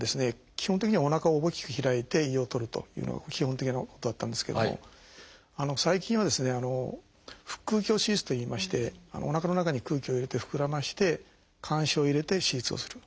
基本的にはおなかを大きく開いて胃を取るというのが基本的なことだったんですけども最近は腹腔鏡手術といいましておなかの中に空気を入れて膨らませて鉗子を入れて手術をする。